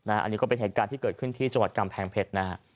อันนี้ก็เป็นเหตุการณ์ที่เกิดขึ้นที่จังหวัดกำแพงเพชรนะฮะ